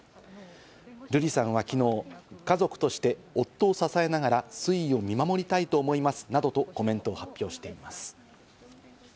瑠麗さんは昨日、家族として夫を支えながら推移を見守りたいと思いますなどとコメントを発表しています。